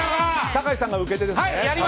酒井さんが受け手ですね。